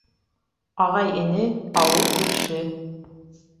Ағай-эне, ауыл-күрше.